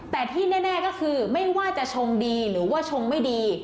แต่ที่แน่ก็คือไม่ว่าจะชงดีหรือว่าชงไม่ดี